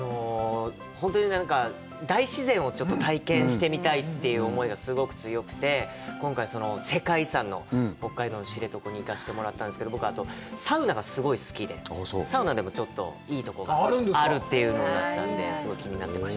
本当に大自然を体験してみたいという思いがすごく強くて、今回、世界遺産の北海道の知床に行かせてもらったんですけど、僕、サウナがすごい好きで、サウナでもちょっといいところがあるということだったので、すごい気になってました。